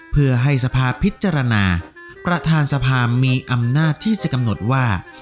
เพื่อให้สภาพิจารณาประธานสภามีอำนาจที่จะกำหนดว่า